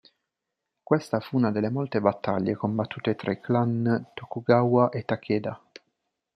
Questa fu una delle molte battaglie combattute tra i clan Tokugawa e Takeda.